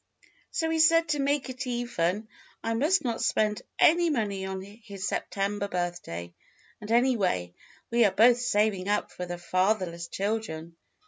So he said to make it even I must not spend any money on his September birthday; and, anyway, we are both saving up for the Fatherless Children.